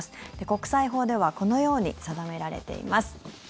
国際法ではこのように定められています。